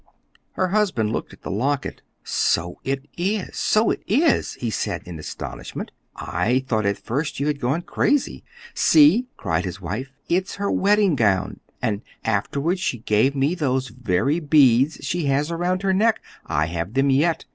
Her husband looked at the locket. "So it is! So it is!" he said in astonishment. "I thought at first you had gone crazy." "See!" cried his wife. "It's her wedding gown, and afterward she gave me those very beads she has around her neck! I have them yet!"